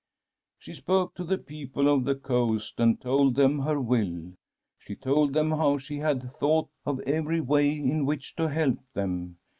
*" She spoke to the people of the coast, and told them her will. She told them of how she had thought of every way in which to help them.